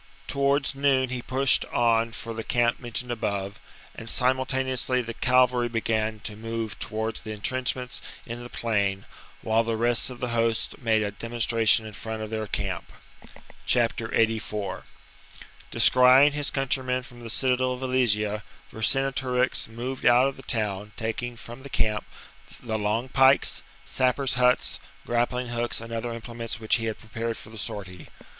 Towards noon he pushed on for the camp mentioned above ; and simultane ously the cavalry began to move towards the entrenchments in the plain, while the rest of the host made a demonstration in front of their camp. 84. Descrying his countrymen from the citadel vercinge. of Alesia, Vercingetorix moved out of the town, tane'ous'iy " taking from the camp ^ the long pikes, sappers' sortif huts, grappling hooks, and other implements which he had prepared for the sortie.